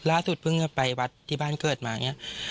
ล่าสุดเพิ่งจะไปวัดที่บ้านเกิดมาเนี่ย